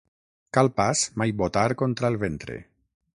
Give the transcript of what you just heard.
Cal pas mai botar contra el ventre.